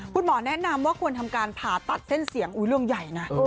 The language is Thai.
คุณหมอแนะนำว่าควรทำการผ่าตัดเส้นเสียงเรื่องใหญ่นะ